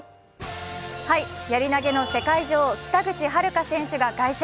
やり投げの世界女王、北口榛花選手が凱旋。